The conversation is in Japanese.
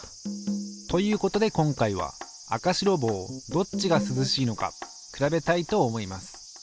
ということで今回は赤白帽どっちが涼しいのか比べたいと思います。